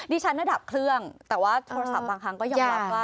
ฉันดับเครื่องแต่ว่าโทรศัพท์บางครั้งก็ยอมรับว่า